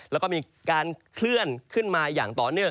แล้วก็มีการเคลื่อนขึ้นมาอย่างต่อเนื่อง